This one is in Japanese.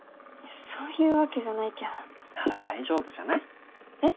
そういうわけじゃないけどなら大丈夫じゃない？えっ？